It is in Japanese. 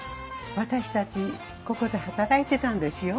私たちここで働いてたんですよ。